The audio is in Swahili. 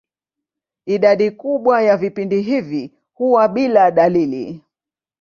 Idadi kubwa ya vipindi hivi huwa bila dalili.